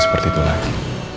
seperti itu lagi